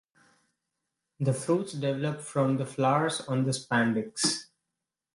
The fruits develop from the flowers on the spadix.